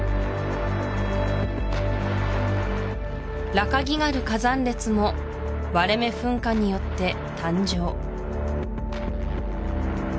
ラカギガル火山列も割れ目噴火によって誕生